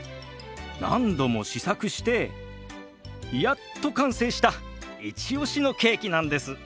何度も試作してやっと完成したイチオシのケーキなんです。